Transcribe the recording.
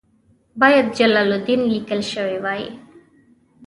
باید جلال الدین لیکل شوی وای.